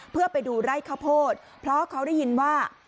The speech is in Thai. เพื่อไปดูไร่ข้าวโพดเพราะเขาได้ยินว่า